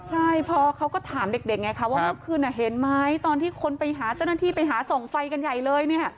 ใช่พอเขาก็ถามเด็กไงคะว่าเมื่อคืนเห็นไหมตอนที่คนไปหาเจ้าหน้าที่ไปหาส่องไฟกันใหญ่เลยเนี่ย